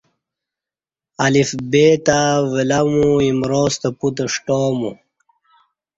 الف بےتہ ولامو ایمراستہ پوتہ ݜٹامو